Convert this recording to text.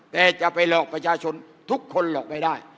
แต่จะไปหลอกประชาชนทุกคนหลอกไม่ได้